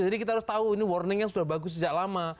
jadi kita harus tahu ini warning yang sudah bagus sejak lama